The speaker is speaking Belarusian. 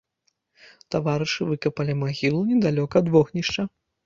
Таварышы выкапалі магілу недалёка ад вогнішча.